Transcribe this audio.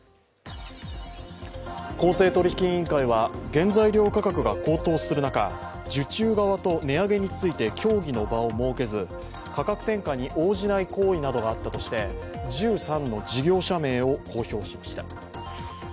公正取引委員会は原材料価格が高騰する中、受注側と値上げについて協議の場を設けず価格転嫁に応じない行為などがあったとして１３の事業者名を公表しました。